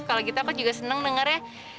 kalau kita kok juga seneng dengarnya